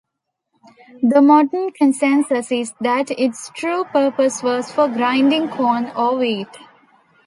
The modern consensus is that its true purpose was for grinding corn or wheat.